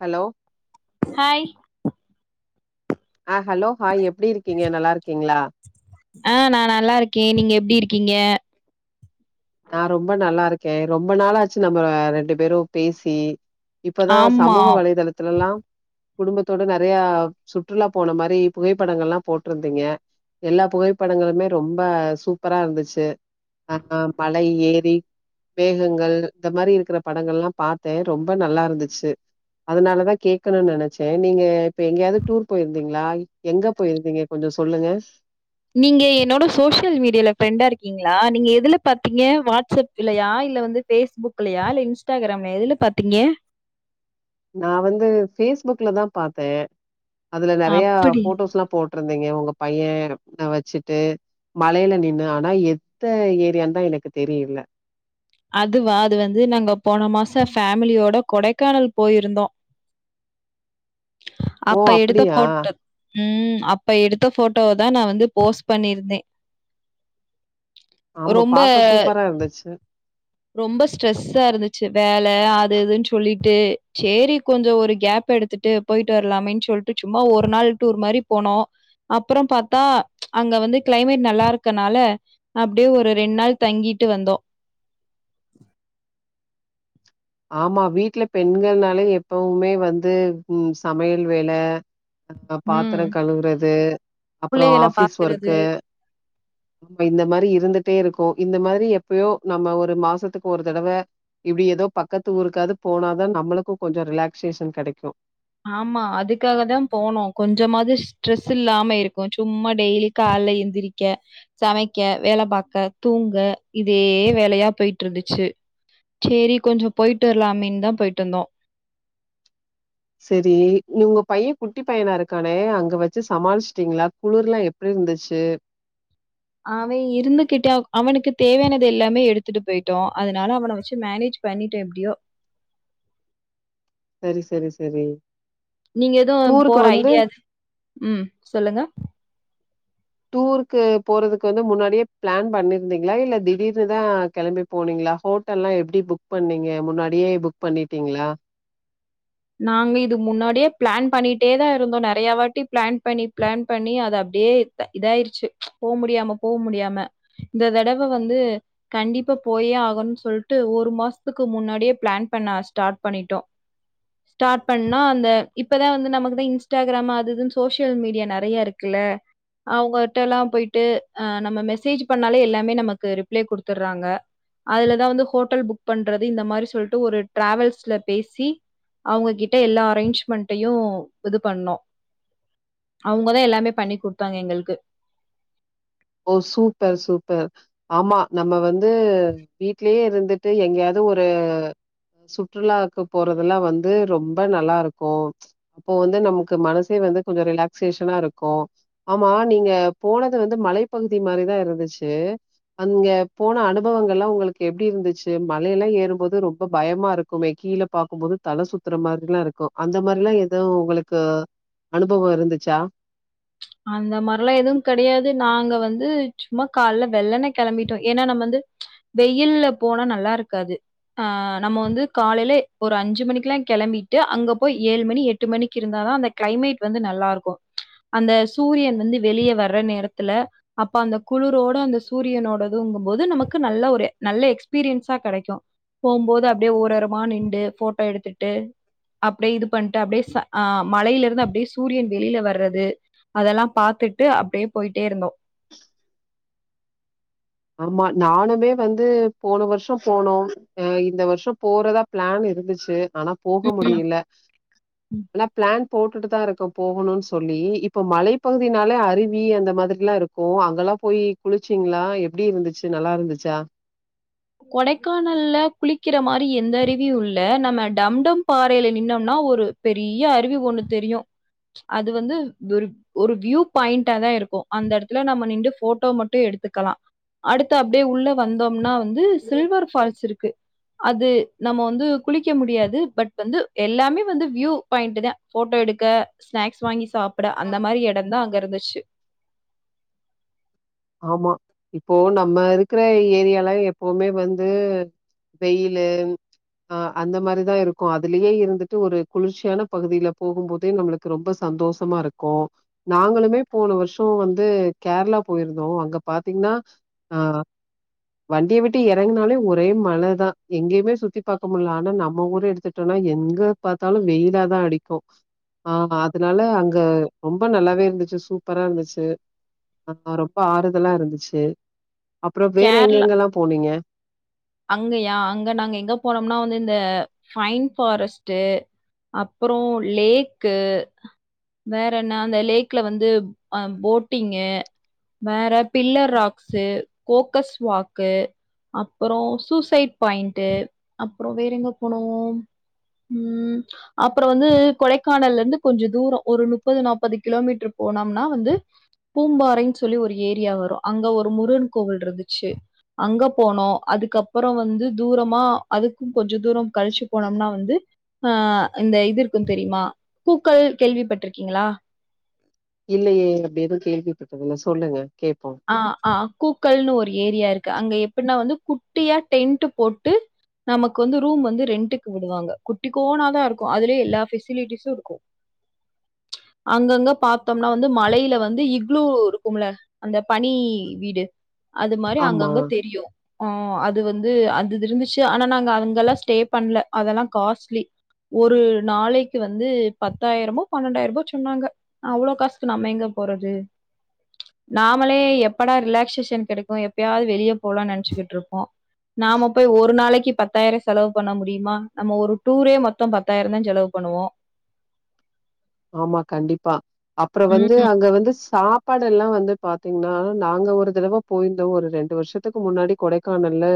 Hello hi ஆ hello hi எப்டி இருக்கீங்க நல்லா இருக்கீங்களா ஆ நா நல்லா இருக்கே நீங்க எப்டி இருக்கீங்க நா ரொம்ப நல்லா இருக்கே ரொம்ப நாளாச்சு நம்ம ரெண்டு பேரு பேசி இப்பதா ஆமா சமூக வலைதளத்துலெல்லாம் குடும்பத்தோட நெறையா சுற்றுலா போன மாரி புகைப்படங்கள்லா போட்ருந்தீங்க எல்லா புகைப்படங்களுமே ரொம்ப சூப்பரா இருந்துச்சு ஆ ஹம் மழை ஏரி மேகங்கள் இந்த மாரி இருக்குற படங்கள்லா பாத்தே ரொம்ப நல்லா இருந்துச்சு அதுனாலதா கேக்கனுன் நெனைச்சே நீங்க இப்ப எங்கேயாவது டூர் போயிருந்தீங்களா எங்க போயிருந்தீங்க கொஞ்சோ சொல்லுங்க நீங்க என்னோட சோசியல் மீடியால ஃப்ரெண்டா இருக்கீங்களா நீங்க எதுல பாத்தீங்க வாட்ஸ்அப் பில்லையா இல்ல வந்து பேஸ்புக்லையா இல்ல இன்ஸ்டாகிராம்லயா எதுல பாத்தீங்க நா வந்து பேஸ்புக்ல தா பாத்தே அதுல நெறையா அப்படி போட்டோஸ்லா போட் இருந்தீங்க உங்க பையேன இப்பதா வச்சுட்டு மலையில நின்னு ஆனா எந்த ஏரியான்தா எனக்கு தெரியல அதுவா அது வந்து நாங்க போன மாசோ ஃபேமிலியோட கொடைக்கானல் போயிருந்தோ ஓ அப்ப எடுத்த அப்டியா போட்டோ ம் அப்ப எடுத்த போட்டோவ தா நா வந்து போஸ்ட் பண்ணியிருந்தே ஆமா ரொம்ப பாக்க சூப்பரா இருந்துச்சு ரொம்ப ஸ்ட்ரெஸ்ஸா இருந்துச்சு வேல அது இதுனு சொல்லிட்டு சேரி கொஞ்ஜோ ஒரு கேப் எடுத்துட்டு போய்ட்டு வரலாமேன்னு சொல்லிட்டு சும்மா ஒரு நாள் டூர் மாரி போனோம் அப்பறம் பாத்தா அங்க வந்து கிளைமேட் நல்லா இருக்கனால அப்டியே ஒரு ரெண் நாள் தங்கிட்டு வந்தோம் [inaudible] ஆமா வீட்ல பெண்கள்னாலே எப்பவுமே வந்து ம் சமையல் வேல ஆ பாத்திர ம் கழுவுறது அப்பறோ புள்ளைகள ஆபீஸ் பாக்குறது ஒர்க்கு நம்ம இந்த மாரி இருந்துட்டே இருக்கோ இந்த மாரி எப்பயோ நம்ம ஒரு மாசத்துக்கு ஒரு தடவ இப்டி ஏதோ பக்கத்து ஊருக்காவது போனாதான் நம்மளுக்கு கொஞ்சோ ரிலாக்சேஷன் கிடைக்கு ஆமா அதுக்காக தா போனோ கொஞ்சமாவது ஸ்ட்ரெஸ் இல்லாம இருக்கு சும்மா டெய்லி கால்ல எழுந்திரிக்க சமைக்க வேல பார்க்க தூங்க இதே வேலையா போயிட்ருந்துச்சு சேரி கொஞ்சோ போய்ட்டு வரலாமே தான் போய்ட்டு வந்தோம் சேரி நீ உங்க பைய குட்டி பையனா இருக்கானே அங்க வச்சு சமாளிசிடீங்களா குளிர்லா எ எப்டி இருந்துச்சு அவன் இருந்துகிட்டே அவனுக்கு தேவையானது எல்லாமே எடுத்துட்டு போயிட்டோ அதனால அவன வச்சு மேனேஜ் பண்ணிட எப்டியோ செரி செரி செரி நீங்க எதுவு போற ஐடிய து ம் சொல்லுங்க டூருக்கு போறதுக்கு வந்து முன்னாடியே பிளான் பண்ணிருந்தீங்களா இல்ல திடீர்னு தா கிளம்பி போனீங்களா ஹோட்டல்லா எப்டி புக் பண்ணீங்க முன்னாடியே புக் பண்ணிட்டீங்களா நாங்க இது முன்னாடியே பிளான் பண்ணிட்டே தான் இருந்தோ நறைய வாட்டி பிளான் பண்ணி பிளான் பண்ணி அது அப்டியே இதாயிருச்சு போ முடியாம போ முடியாம இந்த தடவ வந்து கண்டிப்பா போயே ஆகணுனு சொல்ட்டு ஒரு மாசத்துக்கு முன்னாடியே பிளான் பண்ண ஸ்டார்ட் பண்ணிட்டோ ஸ்டார்ட் பண்ணா அந்த இப்பதா வந்து நமக்கு தா இன்ஸ்டாகிராமு அதுதுன்னு சோசியல் மீடியா நறைய இருக்குல்ல அவங்கட்டலா போய்ட்டு அ நம்ம மெசேஜ் பண்ணாலே எல்லாமே நமக்கு ரிப்ளே குடுத்துடுறாங்க அதுலதா வந்து ஹோட்டல் புக் பண்றது இந்த மாரி சொல்ட்டு ஒரு டிராவல்ஸ்ல பேசி அவுங்க கிட்ட எல்லா அரேஞ்ச்மெண்ட்டயு இது பண்ணோ அவங்கதா எல்லாமே பண்ணி கொடுத்தாங்க எங்களுக்கு ஓ சூப்பர் சூப்பர் ஆமா நம்ம வந்து வீட்லயே இருந்து ட்டு எங்கயாது ஒரு சுற்றுலாக்கு போறதுல்லா வந்து ரொம்ப நல்லா இருக்கு அப்போ வந்து நமக்கு மனசே வந்து கொஞ்சசோ ரிலாக்சேஷனா இருக்கு ஆமா நீங்க போனது வந்து மலைப்பகுதி மாரிதா இருந்துச்சு அங்க போன அனுபவங்கள்லா உங்களுக்கு எப்டி இருந்துச்சு மலையெல்லா ஏறும்போது ரொம்ப பயமா இருக்குமே கீழ பாக்கும்போது தல சுத்துற மாதிரில இருக்கு அந்த மாரிலா எது உங்களுக்கு அனுபவோ இருந்துச்சா அந்த மாரிலா எதுவு கெடயாது நாங்க வந்து சும்மா கால்ல வெள்ளன்ன கெளம்பிட்டோ ஏன்னா நம்ம வந்து வெயில்ல போனா நல்லாருக்காது ஆ நம்ம வந்து காலையில ஒரு அஞ்சு மணிக்குல்லா கிளம்பிட்டு அங்க போய் ஏழு மணி எட்டு மணிக்கு இருந்தாதான் அந்த கிளைமேட் வந்து நல்லா இருக்கு அந்த சூரியன் வந்து வெளியே வர்ற நேரத்துல அப்ப அந்த குளிரோட அந்த சூரியனோட இதுங்கும்போது நமக்கு நல்ல ஒரு நல்ல எக்ஸ்பீரியன்ஸா கிடைக்கு போம்போது அப்டியே ஒருஓரமா நின்டு போட்டோ எடுத்துட்டு அப்டியே இது பண்ணட்டு அப்டியே சா ஆ மலையில இருந்து அப்டியே சூரியன் வெளியில வர்றது அதெல்லாம பாத்துட்டு அப்டியே போயிட்டே இருந்தோ ஆமா நானுமே வந்து போன வருஷ போனோ அ இந்த வருஷ போறதா பிளான் இருந்துச்சு ஆனா போக ம் முடியல ஆனா பிளான் போட்டுட்டு தா இருக்கோ போகணுனு சொல்லி இப்ப மலைப்பகுதினாலே அருவி அந்த மாதிரிலா இருக் கு அங்கெல்லா போயி குளிச்சிங்களா எப்டி இருந்துச்சு நல்லா இருந்துச்சா கொடைக்கானல்ல குளிக்கிற மாரி எந்த அருவியு இல்ல நம்ம டம்டம் பாறைல நின்னோம்னா ஒரு பெரிய அறிவி ஒண்ணு தெரியு ச்சு அது வந்து விரு ஒரு வியூ பாயிண்டா தா இருக்கு அந்த எடத்துல நம்ம நின்டு போட்டோ மட்டு எடுத்துக்கலா அடுத்து அப்டியே உள்ள வந்தோம்னா வந்து சில்வர் ஃபால்ஸ் இருக்கு அது நம்ம வந்து குளிக்க முடியாது பட் வந்து எல்லாமே வந்து வியூ பாயிண்டு தா போட்டோ எடுக்க ஸ்நாக்ஸ் வாங்கி சாப்ட அந்த மாரி எடம்தா அங்க இருந்துச்சு ஆமா இப்போ நம்ம இருக்கிற ஏரியால எப்பவுமே வந்து வெயிலு அ அந்த மாரிதா இருக்கு அதுலேயே இருந்துட்டு ஒரு குளிர்ச்சியான பகுதியில போகும் போதே நம்மளுக் கு ரொம்ப சந்தோஷமா இருக்கு நாங்களுமே போன வர்ஷோ வந்து கேரளா போயிருந்தோ அங்க பாத்தீங்கன்னா அ வண்டிய விட்டு எறங்குனாலே ஒரே மழதா எங்கயுமே சுத்தி பாக்க முடியல ஆனா நம்ம ஊர எடுத்துட் டோனா எங்க பாத்தாலு வெயிலாதா அடிக்கு ஆ அதுனால அங்க ரொம்ப நல்லாவே இருந்துச்சு சூப்பரா இருந்துச்சு ஆ ரொம்ப ஆறுதலா இருந்துச்சு அப்புறோ வேற கேரளா எங்கெங்கல்லா போனீங்க அங்கயா அங்க நாங்க எங்க போனோம்னா வந்து இந்த பைன் ஃபாரஸ்டு அப்றோ லேக்கு வேற என்ன அந்த லேக்ல வந்து அ போட்டிங்கு வேற பில்லர் ராக்சு கோக்கஸ் வாக்கு அப்பறோ சூசைட் பாய்ண்ட்டு அப்றோ வேற எங்க போனோ அப்றோ வந்து கொடைக்கானல்ல இருந்து கொஞ்சோ தூரோ ஒரு முப்பது நாப்பது கிலோமீட்டர் போனோம்னா வந்து பூம்பாறைன்னு சொல்லி ஒரு ஏரியா வரு அங்க ஒரு முருகன் கோவில் இருந்துச்சு அங்க போனோ அதுக்கப்பறோ வந்து தூரமா அதுக்கு கொஞ்சோ தூரோ கழிச்சு போனோம்னா வந்து ஆ இந்த இது இருக்கு தெரியுமா கூக்கள் கேள்விப்பட்ருக்கீங்களா இல்லயே அப்டி எது கேள்வி பட்டதில்ல சொல்லுங்க கேப்போ அ ஆ கூக்கள்னு ஒரு ஏரியா இருக்கு அங்க எப்டின்னா வந்து குட்டியா டென்ட் போட்டு நமக்கு வந்து ரூம் வந்து ரெண்ட்டக்கு விடுவாங்க குட்டி கோனாதா இருக்கு அதுலயே எல்லா ஃசிலிட்டிஸும் இருக்கு பிளாக் அங்கங்க பாத்தோம்னா வந்து மலையில வந்து இக்ளூ இருக்கும்ல அந்த பனி வீடு அது மாதிரி ஆமா அங்கங்க தெரியு ஆ அது வந்து அது இருந்துச்சு ஆனா நாங்க அங்கெல்லா ஸ்டே பண்ணல அதெல்லா காஸ்ட்லி ஒரு நாளைக்கு வந்து பத்தாயிரமோ பன்னெண்டாயிரமோ சொன்னாங்க அவ்ளோ காசுக்கு நம்ம எங்க போறது நாமளே எப்படா ரிலாக்சேஷன் கிடைக்கு எப்பயாவது வெளியே போகலாம்னு நினைச்சுகிட்டு இருப்போ நாம போய் ஒரு நாளைக்கு பத்தாயிரம் செலவு பண்ண முடியுமா நம்ம ஒரு டூரே மொத்தம் பத்தாயிரம் தா செலவு பண்ணுவோ ஆமா கண்டிப்பா அப்றோ வந்து ம். அங்க வந்து சாப்பாடு எல்லா வந்து பாத்தீங்கன்னா நாங்க ஒரு தடவை போயிருந்தோ ஒரு ரெண்டு வருஷத்துக்கு முன்னாடி கொடை கானல்ல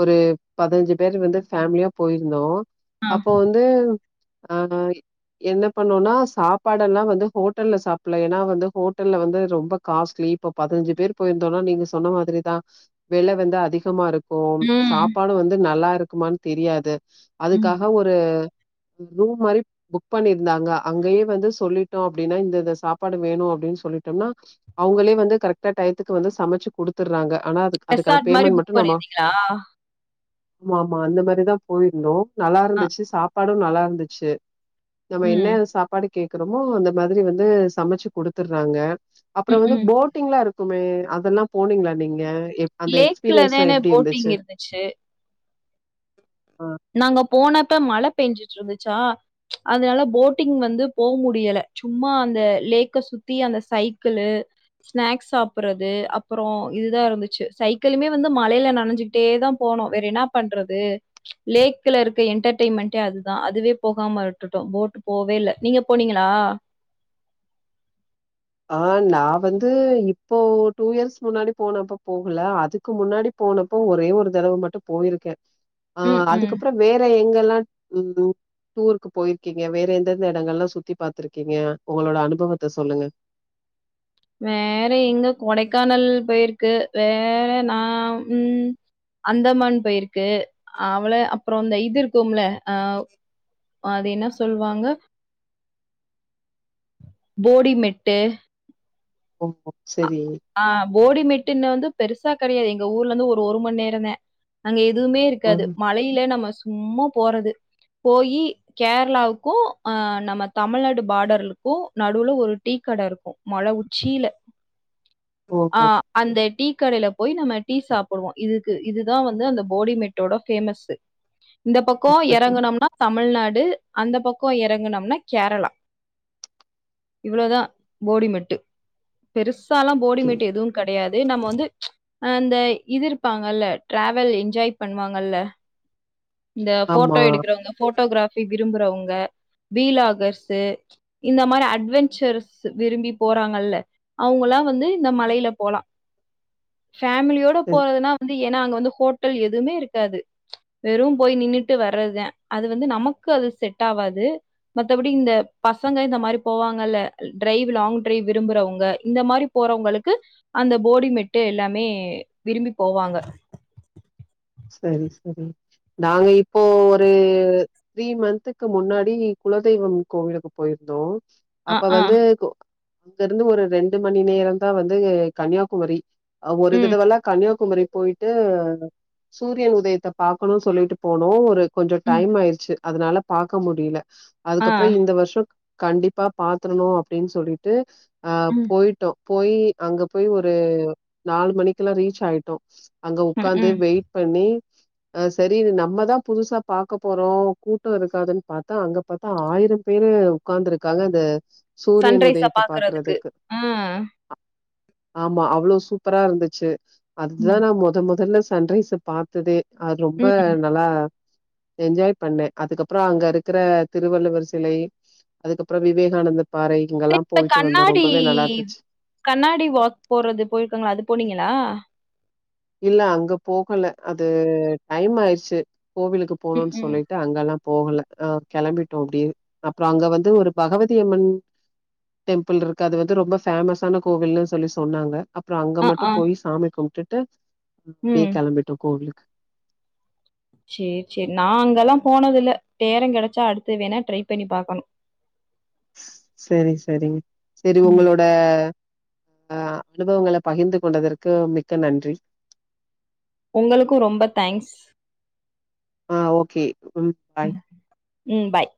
ஒரு பதினஞ்சு பேரு வந்து ஃபேமிலியா போயிருந்தோ ஆ. அப்போ வந்து அ என்ன பண்ணோனா சாப்பாடல்லா வந்து ஹோட்டல்ல சாப்பிட்ல ஏனா வந்து ஹோட்டல்ல வந்து ரொம்ப காஸ்ட்லி இப்போ பதினஞ்சு பேர் போய்ருந்தோனா நீங்க சொன்ன மாதிரிதா வில வந்து அதிகமா இருக் கும் ம். சாப்பாடு வந்து நல்லா இருக்குமான் தெரியாது ம். அதுக்காக ஒரு ரூம் மாரி புக் பண்ணிருந்தாங்க அங்கயே வந்து சொல்லிட்டோ அப்டின்னா இந்த இந்த சாப்பாடு வேணு அப்டின்னு சொல்லிட்டோனா அவங்களே வந்து கரெக்டா டயத்துக்கு வந்து சமச்சு குடுத்துட்றாங்க ஆனா அது ரெசார்ட் மாதரி புக் பண்ணிந்தீங்ளா ஆமா ஆமா அந்த மாரிதா போயிருந்தோம நல்லா அ. இருந்துச்சு சாப்பாடு நல்லா இருந்துச்சு நம்ம என்ன ம். சாப்பாடு கேக்குறோமோ அந்த மாதிரி வந்து சமச்சு குடுத்துட்றாங்க அப்புறோ ம். வந்து ம். போட்டிங்ல்லா இருக்குமே அதெல்லா போனீங்ளா நீங்க எப் அந்த லேக்ல எக்ஸ்பீரியன்ஸ்லா தான எப்டி போட்டிங் இருந்துச்சு ஆ நாங்க போனப்ப மழ பெஞ்சிட்டு இருந்துச்சா அதனால போட்டிங் வந்து போ முடியல சும்மா அந்த லேக்க சுத்தி அந்த சைக்கிளு ஸ்நக்ஸ் சாப்பிறது அப்புறோ இதுதா இருந்துச்சு சைக்கிளுமே வந்து மழைல நனஞ்சு ட்டே தா போனோ வேற என்ன பண்றது லேக்ல இருக்க என்டர்டெயின்மெண்ட்டே அதுதா அதுவே போகாம விட்டுட்டோ போட்டு போவே இல்ல நீங்க போனீங்களா ஆ நா வந்து இப்போ டூ இயர்ஸ் முன்னாடி போனப்ப போகல அதுக்கு முன்னாடி போனப்போ ஒரே ஒரு தடவ மட்டு போயிருக்க ஆ ம், ம். அதுக்கப்றோ வேற எங்கெல்லா ம் டூருக்கு போயிருக்கீங்க வேற எந்தெந்த எடங்கள்லா சுத்தி பாத்துருக்கீங்க உங்களோட அனுபவத்த சொல்லுங்க வேற எங்க கொடைக்கானல் போயிருக்கு வேற நா ம் அந்தமான் பேருக்கு அவ்ள அப்றோ அந்த இது இருக்கும்ல ஆ அது என்ன சொல்வாங்க போடிமெட்டு ஓ ஒ செரி ஆ போடி மெட்டுன்னு வந்து பெருசா கெடையாது எங்க ஊர்ல இருந்து ஒரு ஒரு மணி நேரந்த அங்க எதுவுமே இருக்காது ம் மலையில நம்ம சும்மா போறது போறது கரளாவுக்கு அ நம்ம தமிழ்நாடு பாடர்ளுக்கு நடுவுல ஒரு டீக்கட இருக்கு மல உச்சில ஓ ஆ அந்த டீ கடைல போய் நம்ம டீ சாப்பிடுவோ இதுக்கு இதுதா வந்து அந்த போடிமெட்டோட பேமஸூ பிளாக் இந்த பக்கோ எறங்கனம்னா தமிழ்நாடு அந்த பக்கோ எறங்குனம்னா கேரளா இவ்வளதா போடிமெட்டு் பெருசாலா ஓகே போடிமெட்டு எதுவு கெடையாது நம்ம வந்து அந்த இது இருப்பாங்கல்ல ட்ரவல் என்ஜாய் பண்ணுவாங்கல்ல இந்த ஆமா போட்டோ எடுக்குறவங்க போட்டோகிராபி விரும்புறவங்க வீலாகர்ஸு இந்த மாறி அட்வென்ஞ்சர்ஸ் விரும்பி போறாங்கல்ல அவங்கலா வந்து இந்த மலைல போலா ஃபேமிலியோட சரி போறதுனா வந் து ஏனா அங்க வந்து ஹோட்டல் எதுமே இருக்காது வெறு போய் நின்னுட்டு வரதுதா அது வந்து நமக்கு அது செட் ஆவாது மத்தபடி இந்த பசங்க இந்த மாறி போவாங்கல்ல ட்ரைவ் லாங் ட்ரைவ் விரும்புறவங்க இந்த மாறி போறவங்களுக்கு அந்த போடிமெட்டு எல்லாமே விரும்பி போவாங்க சரி சரி நாங்க இப்போ ஒரு த்ரீ மன்த்துக்கு முன்னாடி குலதெய்வம் கோவிலுக்கு போயிருந்தோ அ, அப்ப ஆ. வந்து கு அங்க இருந்து ஒரு ரெண்டு மணி நேரந்தா வந்து கன்யாகுமரி ஒரு தடவலா கன்யாகுமரி போய்ட்டு சூரியன் உதயத்த பாக்கணு சொல்லிட்டு போனோ ஒரு கொஞ்ச ம். டைம் ஆயிருச்சு அதனால பாக்க முடில ஆ. அதுக்கப்றோ இந்த வருஷோ கண்டிப்பா பாத்துரணு அப்டின் சொல்லிட்டு அ ம். போய்ட்டோ போயி அங்க போயி ஒரு நாலு மணிக்குலா ரீச் ஆய்ட்டோ அங்க ம், உக்காந்து ம். வெயிட் பண்ணி அ சரி நம்மதா புதுசா பாக்க போறோ கூட்ட இருக்காதுன் பாத்தா அங்க பாத்தா ஆயிரம் பேரு உட்காந்துருக்காங்க அந்த சூரியன் சன்ரைஸ உதயத்தைப் பாக்குறதுக்கு ஆ. ஆமா அவ்ளோ சூப்பரா இருந்துச்சு அதுதா ம். நா மொத மொதல்ல சன்ரைச பாத்ததே அது ரொம்ப ம். நல்லா என்ஜாய் பண்ணே அதுக்கப்புற அங்க இருக்கிற திருவள்ளுவர் சிலை அதுக்கப்புற விவேகானந்த பாறை இங்கெல்லா இந்த போயிட்டு வந்தோ கண்ணாடி ரொம்பவே நல்லா இருந்துச்சு கண்ணாடி வாக் போறது போயிருக்காங்களா அது போனீங்ளா இல்ல அங்க போகல அது டைம் ஆய்ர்ச்சு கோவிலுக்கு ம், போணும்னு ம். சொல்லி அங்கலா போகல அ கிளம்பிட்டோ அப்டியே அப்ற அங்க வந்து ஒரு பகவதியம்மன் டெம்பிள் இருக்கு அது வந்து ரொம்ப ஃபேமஸான கோவில்னு சொல்லி சொன்னாங்க அப்றோ அங்க ஆ, மட்டு ஆ. போயி சாமி கும்ப்டுட்டு அப்டி ம். கெளம்பிட்டோ கோவிலுக்கு சேரி சேரி நா அங்கல்லா போனதில்ல நேரங் கிடச்சா அடுத்து வேணா ட்ரை பண்ணி பாக்கனு சரி சரிங் சரி ம். ஒங்களோட அ அனுபவங்கள பகிந்து கொண்டதற்கு மிக்க நன்றி ஒங்களுக்கு ரொம்ப தேங்க்ஸ் ஆ ஓகே பாய் ம். ம் பாய்